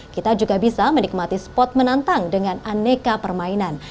kita juga bisa menikmati spot menantang dengan aneka permainan